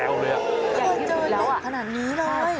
อุ้โหใหญ่ที่สุดยอดขนาดนี้เลย